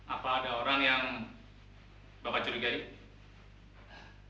apa ada orang yang bapak curigai